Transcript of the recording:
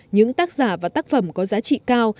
những tác giả và tác phẩm có giá trị cao